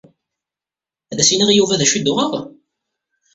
Ad as-iniɣ i Yuba d acu i d-uɣeɣ?